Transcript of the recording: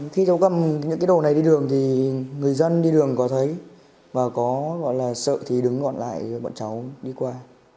khi cháu cầm những cái đồ này đi đường thì người dân đi đường có thấy và có sợ thì đứng gọn lại bọn cháu đi qua